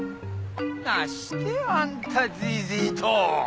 なしてあんたジジイと！